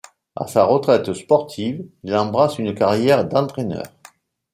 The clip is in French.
À sa retraite sportive, il embrasse une carrière d'entraîneur.